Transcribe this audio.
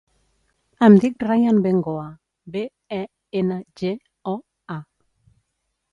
Em dic Rayan Bengoa: be, e, ena, ge, o, a.